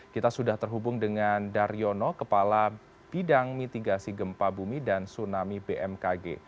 kita sudah terhubung dengan daryono kepala bidang mitigasi gempa bumi dan tsunami bmkg